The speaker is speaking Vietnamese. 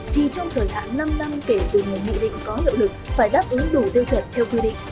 thì trong thời hạn năm năm kể từ ngày nghị định có hiệu lực phải đáp ứng đủ tiêu chuẩn theo quy định